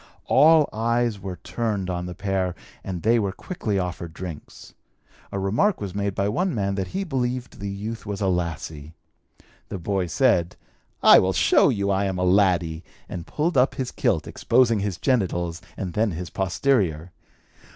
All eyes were turned on the pair and they were quickly offered drinks. A remark was made by one man that he believed the youth was a lassie. The boy said, 'I will show you I am a laddie,' and pulled up his kilt, exposing his genitals and then his posterior.